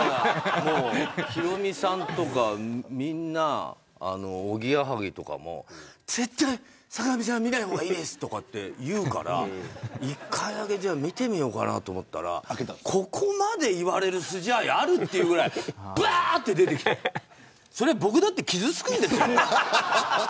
ヒロミさんとかみんなおぎやはぎとか絶対坂上さんは見ない方がいいですと言うから１回見てみようかなと思ったらここまで言われる筋合いあるというぐらいぶわーっと出てきて僕だって傷つくんですよ。